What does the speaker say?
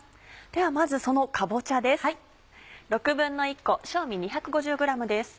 ではまずそのかぼちゃです。